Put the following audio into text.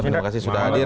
terima kasih sudah hadir